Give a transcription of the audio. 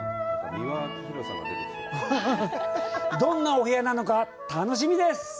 どんなお部屋なのか、楽しみです！